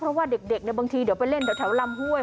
เพราะว่าเด็กบางทีเดี๋ยวไปเล่นแถวลำห้วย